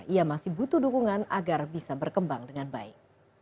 ia masih butuh dukungan agar bisa berkembang dengan baik